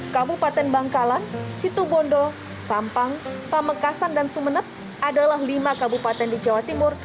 kabupaten bangkalan situbondo sampang pamekasan dan sumenep adalah lima kabupaten di jawa timur